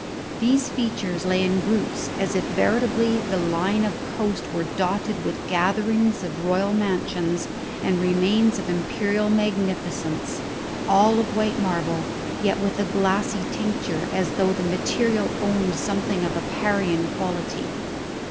These features lay in groups, as if veritably the line of coast were dotted with gatherings of royal mansions and remains of imperial magnificence, all of white marble, yet with a glassy tincture as though the material owned something of a Parian quality.